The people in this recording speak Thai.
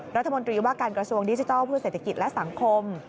รัฐมนตรีว่าการกระทรวงดิจิทัลเพื่อเศรษฐกิจและสังคม